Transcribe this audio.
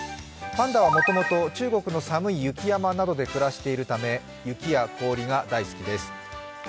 パンダはもともと中国の寒い雪山などで暮らしているため雪や氷が大好きです。